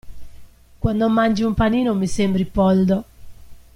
Quando mangi un panino mi sembri Poldo!